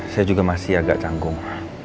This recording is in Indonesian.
saya juga masih agak canggung